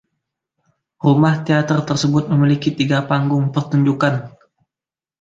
Rumah teater tersebut memiliki tiga panggung pertunjukan.